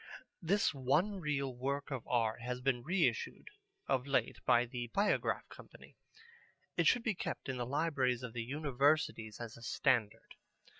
This one reel work of art has been reissued of late by the Biograph Company. It should be kept in the libraries of the Universities as a standard.